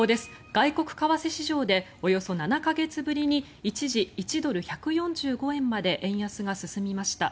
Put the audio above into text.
外国為替市場でおよそ７か月ぶりに一時、１ドル＝１４５円まで円安が進みました。